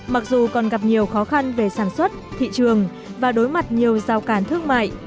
mặc dù còn gặp nhiều khó khăn về sản xuất thị trường và đối mặt nhiều rào cản thương mại